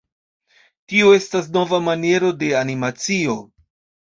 Tio estas nova maniero de animacio.